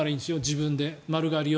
自分で丸刈りを。